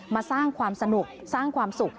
มาสร้างความสนุกสร้างความสุข